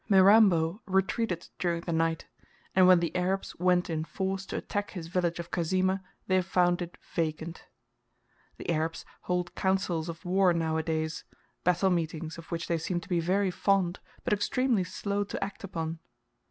Mirambo retreated during the night; and when the Arabs went in force to attack his village of Kazima, they found it vacant. The Arabs hold councils of war now a days battle meetings, of which they seem to be very fond, but extremely slow to act upon.